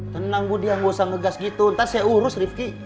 tenang bu dia nggak usah ngegas gitu ntar saya urus rifki